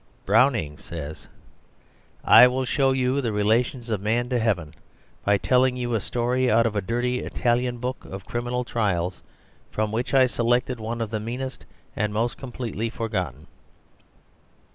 Browning says, "I will show you the relations of man to heaven by telling you a story out of a dirty Italian book of criminal trials from which I select one of the meanest and most completely forgotten."